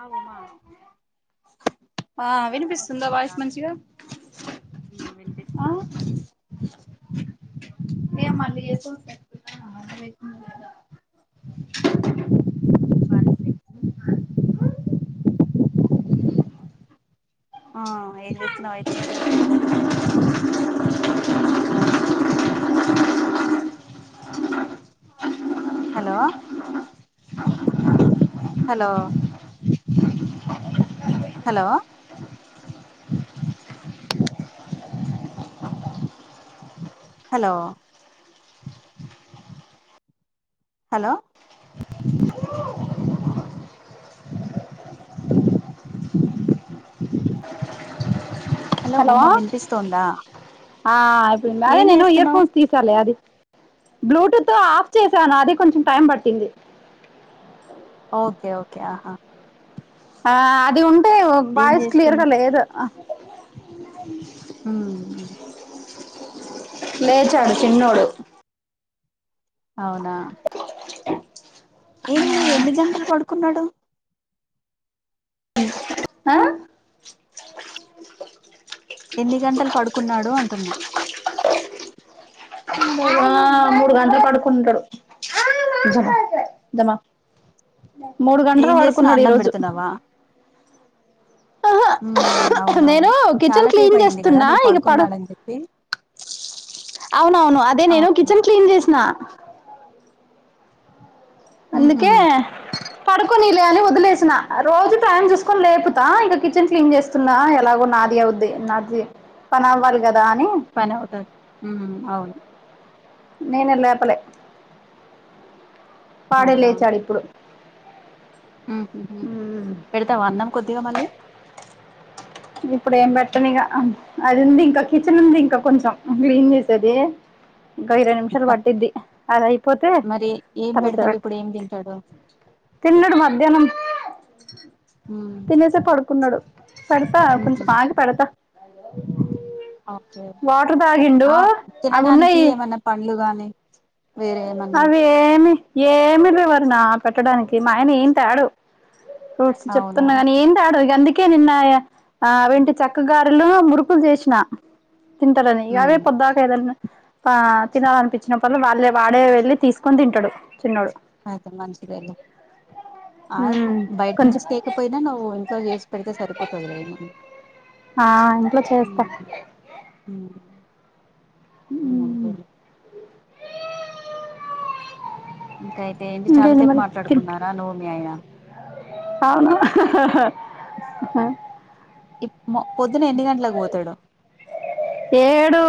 ఆ ఉమా ఆ వినిపిస్తుందా వాయిస్ మంచిగా ఉమ్, ఆ వినిపిస్తుంది ఏ మళ్లీ జేతువ్ పన్ పే ఆ ఏం చేస్తున్నావు అయితే ఏంటి విశేషాలు hello hello hello hello hello hello Uma వినిపిస్తోందా అదే ఏం నేను ఇయర్ చేస్తున్నావు ఫోన్స్ తీస్ సర్లే అదియ్ బ్లూటూత్ ఆఫ్ చేశాను అది కొంచెం టైం పట్టింది ఓకే ఓకే ఆహా ఆ అది ఉంటే ఏం వాయిస్ క్లియర్ చేస్తున్నా గా లేదు ఊమ్ లేేచాడు చిన్నోడు అవునా ఏంది ఎన్ని గంటలు పడుకున్నాడు ఆ ఎన్ని గంటలు పడుకున్నాడు అంటున్నా ఆ మూడు గంటలు పడుకుంటారు ఆ జమా మూడు గంటలు ఏం చేస్తున్నావు పడుకున్నాడు అన్నం ఈరోజు పెడుతున్నావా ఉమ్ అవునవును నేను కిచెన్ చాలాసేపు క్లీన్ అయింది కదా చేస్తున్నా నువ్వు ఇక పడు పడుకున్నాడని చెప్పి అవునవును అదే నేను ఓకే కిచెన్ క్లీన్ చేసిన అందుకే ఉహుం, పడుకోనిలే అని వదిలేసిన రోజు టైమ్ చూసుకొని లేపుపోతా ఇక కిచెన్ క్లీన్ చేస్ స్తున్నా ఎలాగో నాది అవుద్ది నాది పని అవ్వాలి కదా అని పని అవుతది ఉమ్ అవును నేనే లేపలే వాడే లేచాడు ఇప్పుడు ఉమ్ పెడతావ అన్నం కొద్దిగా మళ్ళీ ఇప్పుడు ఏం పెట్టను ఇక ఆ అది ఉంది ఇంకా కిచెన్ ఉంది ఇంకా కొంచెం గ్లీన్ చేసేది ఇంకా ఇరవై నిమిషాలు పట్ది అదయిపోతే మరి ఏం పెడతావు తర్వాత ఇప్పుడు ఏం తింటాడు తిన్నాడు మధ్యాహ్నం ఉమ్, తినేసే పడుకున్నాడు పేడతా ఉహు కొంచెం ఆగి పెడతా ఓకే వాటర్ తాగిండు అవ్ అవి తినడానికి ఉన్నాయి ఏమైన్నా పండ్లు గానీ వేరే ఏమన్నా అవి ఏమి ఏమి లేవరనా పెట్టడానికి మా ఆయన ఏంతాడు ఉమ్ అవునా చెప్తున్నా గాని ఏంతాడు ఇగ అందిక్ కి నిన్న ఆవెంటి చక్క గారలు మురుకులు చేసిన తింటాలని ఇవే ఉమ్, పొద్దుకుల ఆదే వదిన ఆ తినాలనిపించినప్పుడల్ల వాళ్ళే వాడే వెళ్లి తీసుకొని తింటాడు చిన్నోడు ఓకే లే మంచిదే లే ఆ ఉమ్ బయట కొంచెం నుంచి కేకపోయ్ నా నువ్వు ఇంట్లో చేసి పెడితే సరిపోతదిలే ఏం అన్న ఆ ఇంట్లో చేస్తా ఉమ్ ఉమ్ అంతేలే ఇంకాయితే ఏంటి చాలా ఇంకేంటి సేపు మరి తిన్ మాట్లాడుకున్నారా నువ్వు మీ ఆయన అవును హా హా హు ఇప్ మో పొద్దున్న ఎన్ని గంటలక్ పోతాడు ఏడు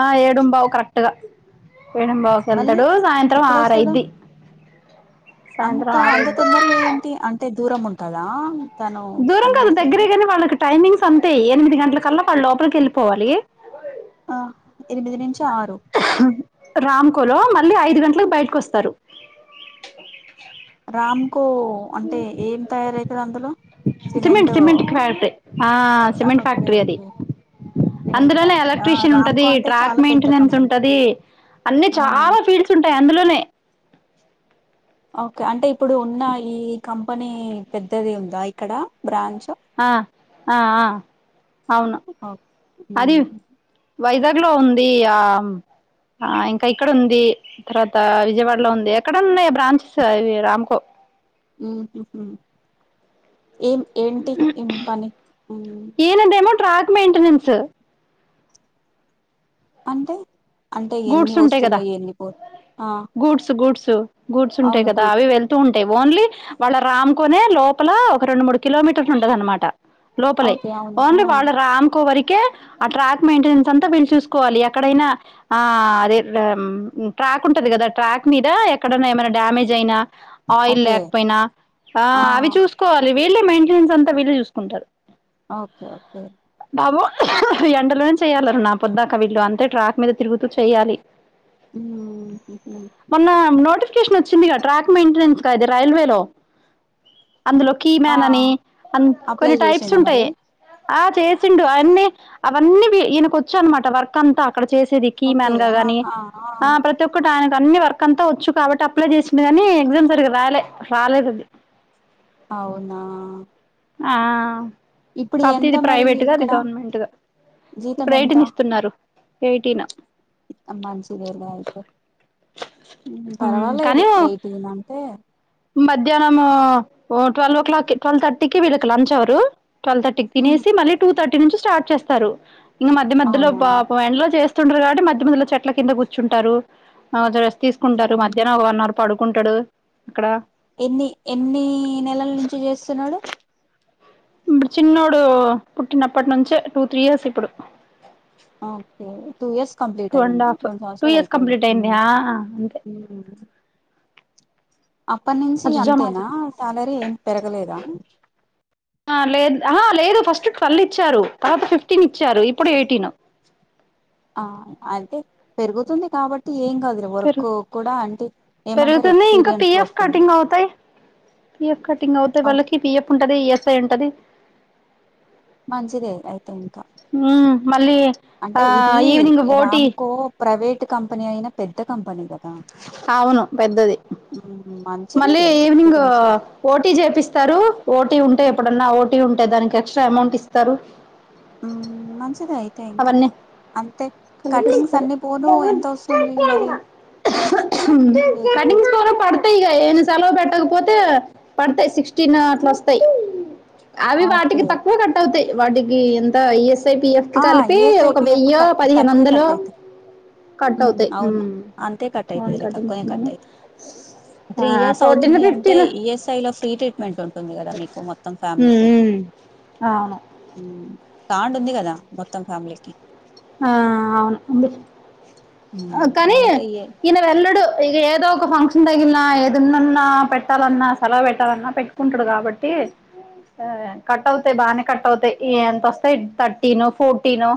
ఆ ఏడుమ్ బావు కరెక్ట్గా ఏడుమ్ బావు మళ్ళీ కెళ్తాడు సాయంత్రం ఎప్పుడొస్తాడు ఆరైద్ది అంత సాయంత్రం అంత ఆరైద్ది తొందరగా ఏంటి అంటే దూరం ఉంటందా దూరం కాదు దగ్గరే గాని వాళ్ళకి టైమింగ్స్ అంతే ఎనిది గంటల కల్లా వాళ్ళు లోపలికి వెళ్ళిపోవాలి ఆ ఎనిమిది నుంచి ఆరు రామ్ కులం మళ్ళీ ఐదు గంటలకు బయటకు వస్తారు రామ్కో అంటే ఏం తయారైతది అందులో సిమెంట్ సిమెంట్ ఫ్యాక్ట ఆ ఆ, సిమెంట్ ఓకే ఫ్యాక్టరీ అది ఓకే సిమెంట్ అందులోనే ఫ్యాక్టరీ ఆ ఎలక్ట్రీషియన్ ఉంటది రామ్కో అంటే ట్రాక్ చాలా పెద్ద మెయింటెనెన్స్ కంపెనీ ఉంటది అన్ని ఆ చాలా ఫీడ్స్ ఉంటాయి అందులోనే ఓకే అంటే ఇప్పుడు ఉన్న ఈ కంపెనీ పెద్దది ఉందా ఇక్కడ బ్రాంచ్ ఆ ఆ అవును అది ఉమ్, వైజాగ్ లో ఉంది ఆ ఆ ఇంకా ఇక్కడ ఉంది తర్వాత విజయవాడలో ఉంది ఎక్కడ ఉన్నాయి బ్రాంచెస్ అవి రామ్కో ఏం ఏంటి ఏంటి పని ఈయన ఏమో ట్రాక్ మెయింటెనెన్స్ అంటే అంటే ఎన్ని గూడ్స్ ఉంటాయి కదా వస్తున్నాయి ఎన్ని పోతున్నాయి గూడ్స్ గూడ్స్ గూడ్స్ ఉంటాయి కదా అవి వెళ్తా ఉంటాయి ఓన్లీ వాళ్ళ రామ్కోనే లోపల ఒక రెండు మూడు కిలోమీటర్స్ ఉంటది అన్న మాట లోపలే ఓకే అవును ఆ ఓన్లీ వాళ్ళ రామ్ కో వరికే ఆ ట్రాక్ మెయింటెన్స్ అంతా వీళ్ళు చూసుకోవాలి ఎక్కడైనా ఆ అదే ట్రాక్ ఉంటది కదా ట్రాక్ మీద ఎక్కడన్నా ఏమైనా డ్యామేజ్ అయినా ఆయిల్ ఓకే లేకపోయినా ఆ అవి చూసుకోవాలి వీళ్ళే మెయింటెనెన్స్ అంతా వీళ్ళే చూసుకుంటారు ఓకే ఓకే బాబు ఈ ఎండలోనే చెయాలీ నా పొద్దాక వీళ్ళు అంతే ట్రాక్ మీద తిరుగుతూ చెయాలి ఉమ్ ఉమ్ హా మొన్న నోటిఫికేషన్ వచ్చిందిగా ట్రాక్ మెయింటెనెన్స్ అది రైల్వే లో అందులో కీ ఆ మ్యాన్ అని అ అప్లై కొన్ని టైప్స్ చేసిండా మరి ఉంటాయి ఆ చేసిండు అవన్నీ అవన్నీ ఈయనకు వచ్చా అన్న మాట వర్క్ అంతా అక్కడ చేసేది కీ ఓకే మ్యాన్ గా ఆ గానీ ఆ ఆ ప్రతి ఒక్కటి ఆయన అన్ని వర్క్ అంతా వచ్చు కాబట్టి అప్లై చేసింది గానీ ఎగ్జామ్ సరిగా రాయలే రాలేదు అది అవునా ఆ ఇప్పుడు కాకపోతే ఎంత ఇది మరి ప్రైవేట్ గా అది ఇక్కడ గవర్నమెంట్గా జీతం ఇప్పుడు ఎంత రైటింగ్ ఇస్తున్నారు ఎయిటీన్ మంచి లేర్గా అయితే పర్వాలేదు ఎయిటీన్ అంటే మధ్యాహ్నం ట్వల్వ్ ఓ క్లాక్కి ట్వల్వ్ తర్టీకి వీళ్ళకి లంచ్ అవర్ ట్వెల్వ్ థర్టీ మ్మ్ తినేసి మళ్ళీ టూ థర్టీ నుండి స్టార్ట్ చేస్తారు ఇంకా మధ్య మధ్య [unintelligible] డ అవునా కాగా మధ్య మధ్య లో చెట్ల కింద కూర్చుంటారు రెస్ట్ తీసుకుంటారు మ్మ్ మధ్యాహ్న ఒక వన్ అవర్ పడుకుంటాడు అక్కడ ఎన్ని ఎన్ని నెలల నుంచి చేస్తున్నారూ ఇప్పుడు చిన్నోడు పుట్టినప్పటి నుంచే టూ త్రీ ఇయర్స్ ఇప్పుడు okay two years complete two and అయ్యంది హాఫ్ రెండు టూ సంవత్సరాలు ఇయర్స్ అయిపోయింది కంప్లీట్ అయింది ఆ అంతే ఉ [inaudible] అప్పటి నుంచి అంతేనా శాలరీ ఏం పెరగలేదా లేదు లేదు ఫస్ట్ ట్వెల్వ్ ఇచ్చారు తర్వాత ఫిఫ్టీన్ ఇచ్చారు ఇప్పుడు ఎయిటీన్ ఆ అంటే పెరుగుతుంది కాబట్టి ఏం కాదు పెరుగు వర్క్ కూడా అంటే ఏమంటారు పెరుగుతుంది ఇంకా ఎక్స్పీరియన్స్ పిఎఫ్ వస్తుంది కటింగ్ అవుతాయి పిఎఫ్ కటింగ్ అవుతే ఓ వాళ్ళకి పిఎఫ్ ఉంటది ఈఎస్ఐ ఉంటది మంచిదే అయితే ఇంకా ఉమ్ మళ్ళీ ఆ అంటే ఇది evening OT Ramco private company అయిన పెద్ద కంపెనీ గదా అవును పెద్దది ఉమ్, మళ్ళీ మంచిదేలే ఈవినింగ్ ఎక్స్పీరియన్స్ వస్తు పోటీ చేపిస్తారు పోటీ ఉంటే ఎప్పుడన్నా ఓటీ ఉంటే దానికెక్స్ట్రా ఎమౌంట్ ఇస్తరు ఉం మంచిదే అయితే ఇంకా అవన్నీ అంతే కటింగ్స్ కలిపిస్తారు అన్ని పోను ఎంతొస్తుంది మరి చేతికి కట్టింగ్స్ పోనూ పడ్త యి ఇగ ఏమి సెలవు పెట్టకపోతే పడ్తయి సిక్స్టీన్ అట్లోస్తయ్ అవి వాటికి ఓకే తక్కువ కట్ అవుతయి వాటికి ఎంత పిఎఫ్ కి ఆ కలిపి ఈఎస్ఐ ఒక పిఎఫ్ వెయ్యో, తక్కువే పదిహేనొందలో కట్ అయితది కట్ ఉమ్ అవుతయి అవును అంతే కట్ అయితదిలే తక్కువనే కట్ అయితది ఆ ఫోర్టీన్ ఫిఫ్టీన్ ఎస్ఐ లో ఫ్రీ ట్రీట్మెంట్ ఉంటుంది కదా మీకు మొత్తం ఫ్యామిలీకి అవును తాండుంది కదా మొత్తం ఫ్యామిలీకి ఆ అవును ఉంది ఉమ్ కనీ మరి ఇంకా ఇ ఈనె వెళ్ళడు ఇగ ఏదో ఒక ఫంక్షన్ తగిల్న ఏదనున్న పెట్టాలన్నా సెలవు పెట్టాలన్నా పె కుంటడు కాబట్టి కట్ అవుతయి బానే కట్ అవుతయి ఎంతొస్తయి తర్టీనొ, ఫోర్టీనొ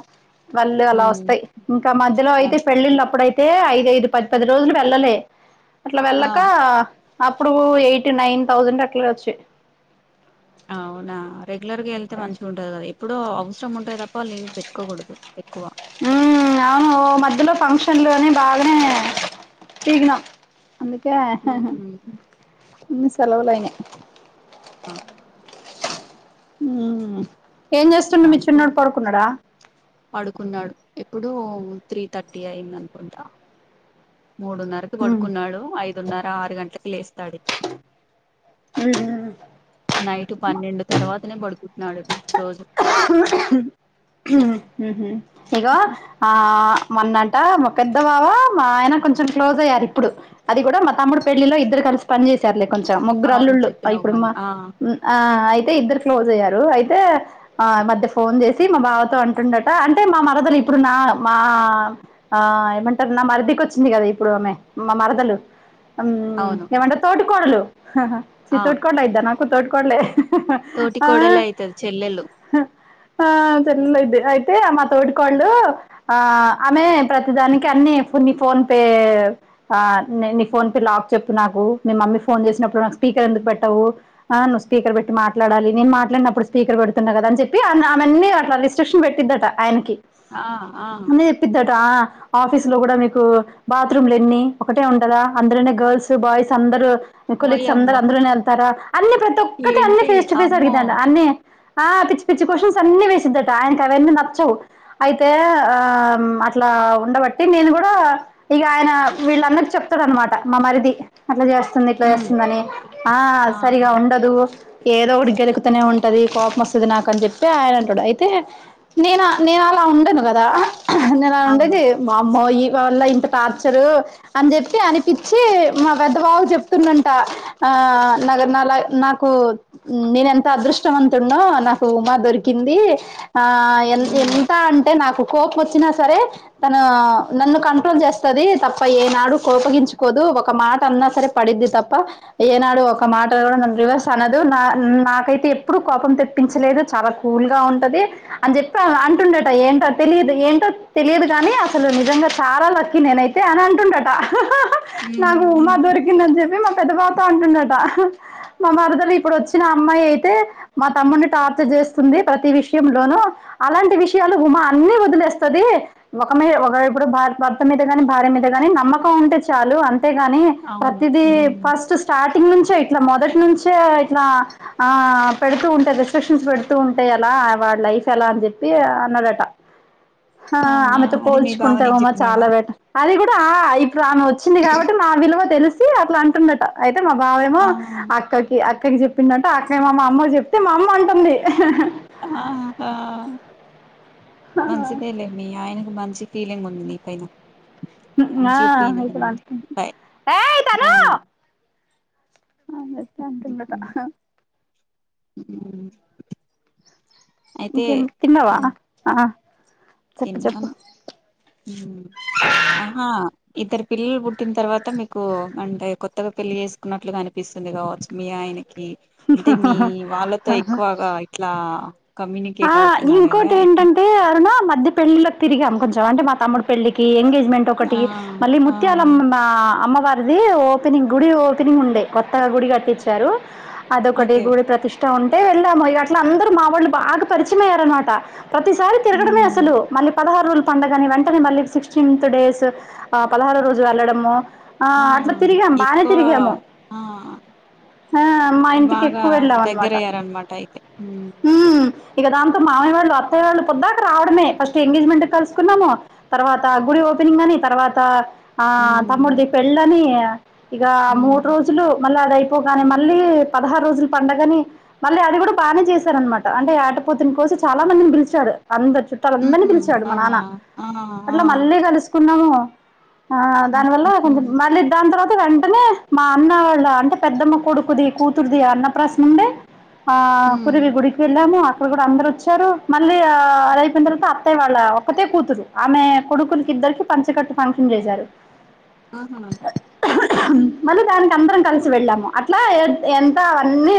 వాళ్ళు అలా ఉమ్ వస్తయి ఇంకా మధ్యలో ఆ అయితే పెళ్ళిళ్ళప్పుడై తే ఐదఐదు, పదిపది రోజులు వెళ్ళలే అట్ల వెళ్ళకా అప్పుడు ఎయిటీ నైన్ థౌసండ్ అట్లా వచ్చేయి అవునా రెగ్యులర్గా ఎళ్తే మంచిగుంటది కద ఎప్పుడో అవ్సరం ఉంటే తప్ప లీవ్ పెట్టుకోకూడ్దు ఎక్కువ ఉం అవును ఓ మధ్యలో ఫంక్షన్లోనే బాగనే తిరిగిణం అందుకే ఉహు. ఇన్ని సెలవులైనై అ ఊమ్ [inaudible] పడుకున్నాడు ఇప్పుడు త్రీ థర్టీ అయిందనుకుంటా మూడున్నరకు ఉమ్ పడుకున్నాడు ఐదున్నర ఆరు గంట్లకి లేస్తాడిక ఉ నైట్ పన్నెండు తర్వాతనే పడుకుంటున్నాడు రోజు ఉంహుం ఇగో ఆ మొన్నంట మ పెద్ద బావా మా ఆయన కొంచెం క్లోజ్ అయ్యారిప్పుడు అది కూడా మా తమ్ముడు పెళ్లిలో ఇద్దరు కలిసి పని చేసారులే కొంచెం ముగ్గురు అవును అల్లుళ్ళు చెప్పినవు ఇప్పుడు మొన్న మా ఆ ఆ అయితే ఇద్దరు క్లోజ్ అయ్యారు అయితే ఆ మధ్య ఫోన్ చేసి మా బావతో అంటుండట అంటే మా మరదలిప్పుడు నా మా ఆ ఏమంటరు నా మరిదికొచ్చింది కద ఇప్పుడు ఆమె మా మరదలు అం అవును ఏమంటరు తోటికోడలు హహ చి ఆ తోట్కోడలైద్దా నాకు తోట్కోడ్లే తోటి కోడలే అయితది చెల్లెళ్ళు ఆ చెల్లెలైద్ది అయితే మా తోటికోడ్లు ఆ ఆమె ప్రతిదానికి అన్నీ కొన్ని ఫోన్పే ఆ నే నీ ఫోన్ పే లాక్ చెప్పు నాకు మీ మమ్మీ ఫోన్ చేసినప్పుడు నాకు స్పీకర్ ఎందుకు పెట్టవు ఆ నువ్వు స్పీకర్ పెట్టి మాట్లాడాలి నేను మాట్లాడినప్పుడు స్పీకర్ పెడు తున్న కద అని చెప్పి ఆ ఆమెన్నీ అట్లా రిస్ట్రిక్షన్ పెట్టిద్దట ఆయనకి ఆ ఆ పెట్టిద్దట ఆ ఆఫీస్ లో కూడ మీకు బాత్రూమ్లెన్ని ఒకటే ఉంటదా అందులోనే గర్ల్స్ బాయ్స్ అందరూ కొలిక్స్ అందరు ఓయమ్మో అందులోనే ఎళ్తారా అన్ని ప్రతొక్కటి అన్ని ఏంటి ఫేస్ టు ఫేస్ అమ్మో అడిగిద్దట అన్నీ ఆ పిచ్చి పిచ్చి క్వశన్స్ అన్ని వేసిద్దట ఆయనకవన్నీ నచ్చవ్ అయితే ఆ అట్లా ఉండబట్టి నేను కూడా ఇక ఆయన వీళ్ళందరు చెప్తాడనమాట మా మరిది అట్లా చేస్తుంది ఇట్లా ఉమ్ చేస్తుందని ఓకే ఆ సరిగా ఉండదు ఏదో ఒకటి గెలుకుతూనే ఉంటంది కోపమ స్తు నాకని చెప్పి ఆయన అంటాడు అయితే నేను నేను అలా ఉండను కదా అవును ఉండేది వామ్మో ఈయన వల్ల ఇంత టార్చరు అని చెప్పి అనిపిచ్చి మా పెద్ద బావ కి చెప్తుందంట ఆ నా నాలాగ నాకు నేను ఎంత అదృష్టంంతుండో నాకు ఉమా దొరికింది ఆ ఎ ఉమ్ ఎంత అంటే నాకు కోపం వచ్చినా సరే తను నన్ను కంట్రోల్ చేస్తది తప్ప ఏనాడు కోపగించుకోదు ఒక మాట అన్నా సరే పడద్ది తప్ప ఏనాడు ఒక మాటలు కూడా నన్ను రివర్స్ అనడు నా నాకైతే ఎప్పుడు కోపం తెప్ప ఇప్పించలేదు చాలా కూల్ గా ఉంటది అని చెప్పి అంటుండట ఏంట తెలిదు ఏంటో తెలియదు కానీ అసలు నిజంగా చాలా లక్కి నేనైతే అని అంటుండట ఉమ్ నాకూ మా ఉమ్ దొరికిందని చెప్పి పెద్ద బావ అంటుండట మా మరదలు ఇప్పుడు వచ్చిన అమ్మాయి అయితే మ తమ్మున్ని టార్చర్ చేస్తుంది ప్రతి విషయంలోనూ అలాంటి విషయాలు ఉమా అన్నిీ వదిలేస్తది ఒక మీ ఒక ఇప్పుడు భార భర్త మీద గానీ భార్య మీద కాని నమ్మకం ఉంటే చాలు అంతే అే గాని అవును ప్రతీది ఉమ్ ఫస్ట్ స్టార్టింగ్ నుంచే ఇట్లా మొదటి నుంచే ఇట్లా ఆ పెడుతూ ఉంట రెస్ట్రిక్షన్స్ పెడుతూ ఉంటె ఎలా వాడి లైఫ్ ఎలా అని చెప్పి అన్నడట హా అవునా ఆమెతో అది మీ బావ నీకు పోల్చుకుంటావమ్మా చాలా చెప్పినాడా వేట అది కూడా ఇప్పుడు ఆమె వచ్చింది కాబట్టి నా విలువ తెలిసి అట్లా అంటుందట అయితే మా బావేమో ఆ అక్కకి అక్కకి చెప్పిండటా అక్కేమో మా అమ్మ కి చెప్తే మా అమ్మ అంటుంది అంతా మంచిదేలే మీ ఆయనకి మంచి ఫీలింగ్ ఉంది నీ పైన మంచి ఆ ఒపీనియన్ ఉంది బై ఆ ఇలాను అ వేస్తే ఉంటుందట మ్ ఇంకేమి తిన్నావా ఉమ్ ఆ చెప్పు తిన్నాం చెప్పు మ్ అహా ఇద్దరు పిల్లలు పుట్టిన తర్వాత మీకు అంటే కొత్తగా పెళ్లిి చేసుకున్నట్లు అనిపిస్తుంది కావచ్చు మీ ఆయనకి అంటే మీ వాళ్ళతో ఎక్కువగా ఇట్లా ఆ కమ్యూనికేట్ అవుతున్నాడు కదా ఇంకోటి ఇక ఏంటంటే అరుణ మధ్య పెళ్లిల్లో తిరిగి అనిపించదు అంటే మా తమ్ముడి పెళ్లికి ఎంగేజ్మెంట్ ఒకటి ఆ మళ్ళీ ఆ ముత్యాలమ్మ ఆ అమ్మవారి అదీ ఓపెనింగ్ గుడి ఓపెనింగ్ ఉండే కొత్తగా గుడి కట్టించారు అదొకటి ఓకే గుడి ప్రతిష్ ఇష్ట ఉంటే వెళ్ళాము ఇట్ల అందరుూ మా వాళ్ళు బాగా పరిచయమయ్యరన మాట ప్రతిసారి తిరడమే ఉమ్ అసలు మళ్ళీ పదహారు రోజులు పండగని వెంటనే మళ్ళీ సిక్స్టీన్త్ డేస్ ఆ పదహారు రోజు వెళ్లడము ఆ అట్లా తిరిగాం బానే ఎక్కువ తిరిగాము ఆ ఆ మా ఇంటికి బాగా ఎక్కువ వెళ్ళాం అనమాట దగ్గరయ్యారనమాట అయితే మ్ హ్మ్ ఇక దాంతో మామయ్య వాళ్ళు అత్తయ్య వాళ్ళు పద్దాక రావడమే ఫస్ట్ ఎంగేజ్మెంట్ కు కలుసుకున్నాము తర్వాత గుడి ఓపెనింగ్ అని తర్వాత ఆ ఉమ్ తమ్ముడిది పెళ్ళనీ ఆ ఇగా ఆ ఉమ్ మూడు రోజులూ మళ్ళా అదై పోగానే మళ్ళీ పదహారు రోజులు పండగని మళ్ళీ అది గూడా బాగనే చేశారనమాట అంటే అటు పోతున్ కోసి చాలా మందిని పిలిచారు అందరు చుట్ట్ చాల అందరినీ ఉహు పిలిచాడు మా అవునా నాన్నా. ఆ ఆ అట్లా మళ్ళీ కలుసుకున్నాము. ఆ ఉమ్ దానివల్లా ఉహు కొంచెం మళ్ళీ దాని తర్వాత్ త వెంటనే మా అన్నా వాళ్ళా అంటే పెద్దమ్మ కొడుకుది కూతురుది అన్న ప్రాసన ఉండే. ఆ ఉమ్ కొరివి గుడికి వెళ్ళాము అక్కడ కూడ అందరు వచ్చారు మళ్ళీ ఆ అది అయిపోయిన్ తర్వాత అత్తయ వాళ్ళా ఒక్కతే కూతురు ఆమే కొడుకుల్కి ఇద్దరికి పంచకట్టు ఫంక్షన్ చేశారు. ఆహా మళ్ళీ దానికి అందరం కలిసి వెళ్ళాము అట్లా ఎంత్ ఎంతా అవన్నీ.